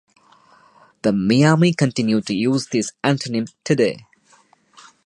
The Miami continue to use this autonym today.